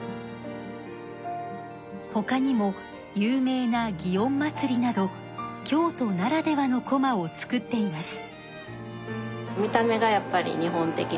ほかにも有名な園祭など京都ならではのこまを作っています。